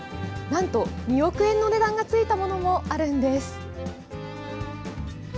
なんと２億円の値段がついたものもあるんです。